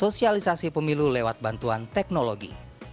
sosialisasi pemilu lewat bantuan teknologi